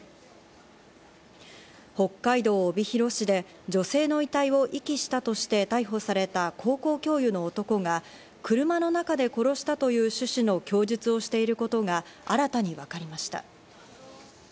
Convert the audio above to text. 北海道帯広市で、女性の遺体を遺棄したとして逮捕された高校教諭の男が車の中で殺したという趣旨の供述をしていることが新たに分かりました。